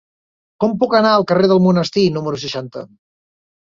Com puc anar al carrer del Monestir número seixanta?